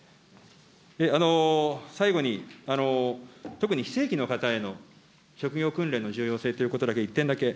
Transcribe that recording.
最後に、特に非正規の方への職業訓練の重要性ということだけ、１点だけ。